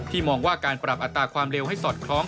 มองว่าการปรับอัตราความเร็วให้สอดคล้อง